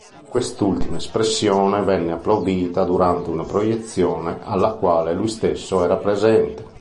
Quest'ultima espressione venne applaudita durante una proiezione alla quale lui stesso era presente.